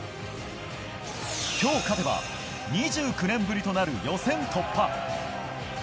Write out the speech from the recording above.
今日、勝てば２９年ぶりとなる予選突破。